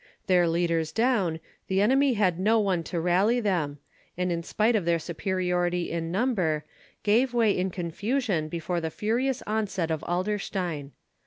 Their leaders down, the enemy had no one to rally them, and, in spite of their superiority in number, gave way in confusion before the furious onset of Adlerstein.